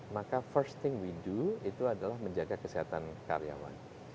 maka first thing we do itu adalah menjaga kesehatan karyawan